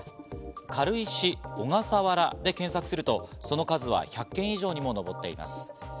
「軽石・小笠原」で検索すると、その数は１００件以上にも上っています。